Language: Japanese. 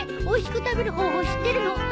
おいしく食べる方法知ってるの？